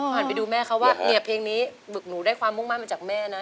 ฝันไปดูแม่เขาเพลงว่าแบบนี้เบือกหนูได้ความมุ่งมันจากแม่นะ